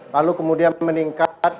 lalu kemudian meningkat